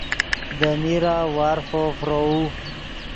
دے میرہ وارفو فروؤ